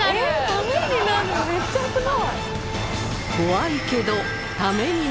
タメになるのめっちゃすごい。